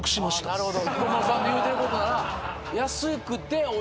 なるほど。